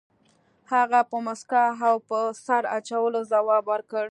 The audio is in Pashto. هغه په موسکا او سر اچولو ځواب ورکړ.